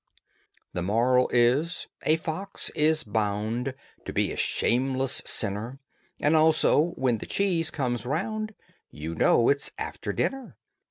THE MORAL is: A fox is bound To be a shameless sinner. And also: When the cheese comes round You know it's after dinner.